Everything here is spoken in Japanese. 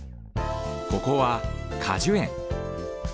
ここは果樹園。